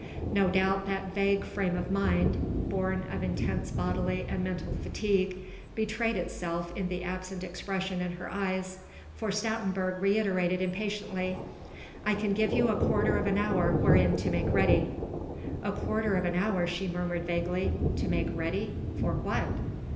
No doubt that vague frame of mind, born of intense bodily and mental fatigue, betrayed itself in the absent expression in her eyes, for Stoutenburg reiterated impatiently: "I can give you a quarter of an hour wherein to make ready." "A quarter of an hour," she murmured vaguely, "to make ready?... for what?"